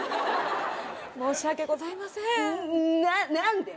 申し訳ございませんなんで？